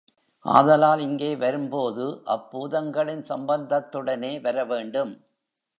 ஆதலால் இங்கே வரும்போது அப்பூதங்களின் சம்பந்தத்துடனே வர வேண்டும்.